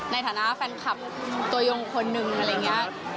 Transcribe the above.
ในฐานะแฟนคลับตัวยงคนหนึ่งอะไรอย่างนี้